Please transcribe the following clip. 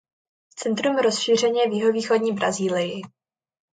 Centrum rozšíření je v jihovýchodní Brazílii.